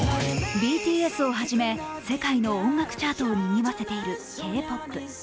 ＢＴＳをはじめ世界の音楽チャートをにぎわせているＫ−ＰＯＰ。